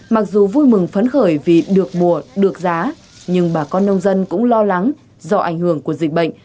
mặc dù vui mừng phấn khởi vì được mùa được giá nhưng bà con nông dân cũng lo lắng do ảnh hưởng của dịch bệnh